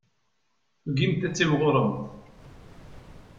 Tugimt ad timɣuremt.